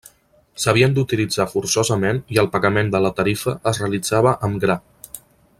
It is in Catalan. S'havien d'utilitzar forçosament i el pagament de la tarifa es realitzava amb gra.